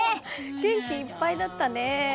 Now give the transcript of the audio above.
元気いっぱいだったね。